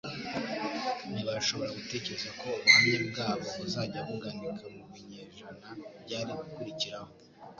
ntibashobora gutekereza ko ubuhamya bwabo buzajya buganika mu binyejana byari gukurikiraho.